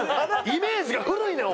イメージが古いねん！